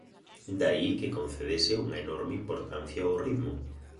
De aí que concedese unha enorme importancia ó ritmo.